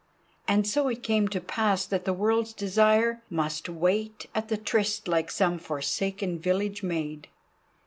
And so it came to pass that the World's Desire must wait at the tryst like some forsaken village maid.